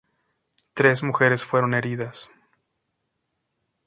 Tres mujeres fueron heridas.